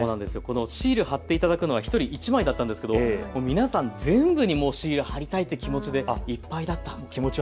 シール貼っていただくのは１人、１枚だったんですが皆さん、全部にシール貼りたいという気持ちでいっぱいでした。